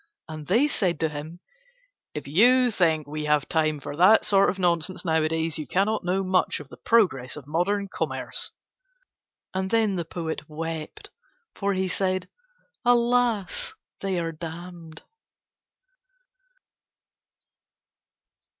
And they said to him: "If you think we have time for that sort of nonsense nowadays you cannot know much of the progress of modern commerce." And then the poet wept for he said: "Alas! They are damned."